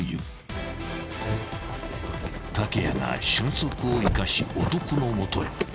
［竹谷が俊足を生かし男の元へ］